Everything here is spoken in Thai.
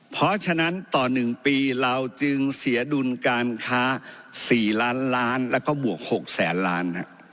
เพราะฉะนั้นต่อ๑ปีเราจึงเสียดุลการค้า๔ล้านล้านแล้วก็บวก๖แสนล้าน